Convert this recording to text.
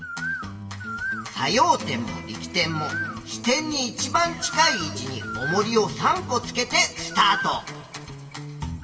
作用点も力点も支点にいちばん近い位置におもりを３個つけてスタート。